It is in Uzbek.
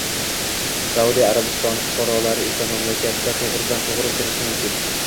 Saudiya Arabistoni fuqarolari esa mamlakatga toʻgʻridan-toʻgʻri kirishi mumkin.